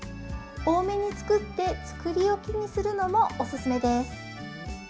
多めに作って作り置きにするのもおすすめです。